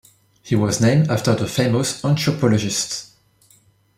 He was named after the famous anthropologist.